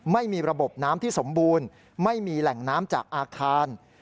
ไม่มีระบบน้ำที่สมบูรณ์ไม่มีแหล่งน้ำจากอาคาร